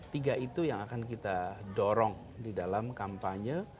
tiga itu yang akan kita dorong di dalam kampanye